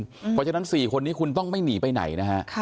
เพราะฉะนั้น๔คนนี้คุณต้องไม่หนีไปไหนนะฮะ